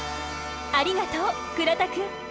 ありがとう倉田くん。